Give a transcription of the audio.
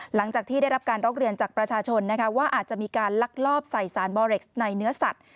หลังจากที่ได้รับการร้องเรียนจากประชาชนนะคะว่าอาจจะมีการลักลอบใส่สารบอเร็กซ์ในเนื้อสัตว